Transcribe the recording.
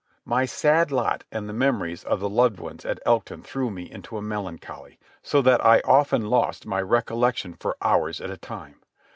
My sad lot and the memories of the loved ones at Elkton threw me into a melancholy, so that I often lost my recollection for hours at a time.